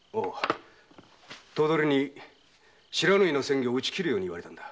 頭取に不知火の詮議を打ち切るように言われたんだ。